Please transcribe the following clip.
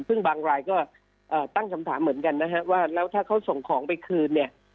ซึ่งบางรายก็ตั้งคำถามเหมือนกันนะฮะว่าแล้วถ้าเขาส่งของไปคืนเนี่ย